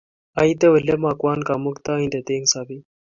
Aite ole makwon Kamuktaindet eng' sobet.